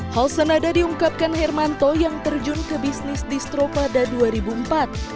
hal senada diungkapkan hermanto yang terjun ke bisnis distro pada dua ribu empat